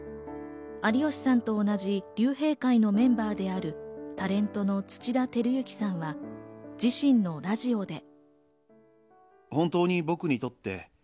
有吉さんと同じ竜兵会のメンバーである、タレントの土田晃之さんは自身のラジオで。